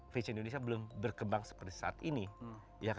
fatch indonesia belum berkembang seperti saat ini